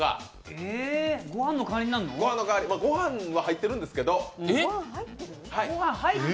御飯は入ってるんですけど。